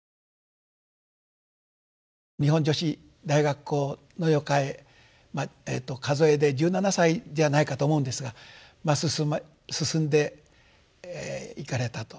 日本女子大学校の予科へ数えで１７歳ではないかと思うんですが進んで行かれたと進まれたということ。